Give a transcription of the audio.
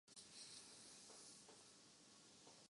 کیا آپ چاہتے ہیں کہ میں آپ کو اس کے گھر لے جاؤں؟